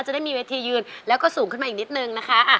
จะได้มีเวทียืนแล้วก็สูงขึ้นมาอีกนิดนึงนะคะ